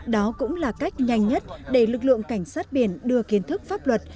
đó cũng là cách nhanh nhất để lực lượng cảnh sát biển đưa kiến thức pháp luật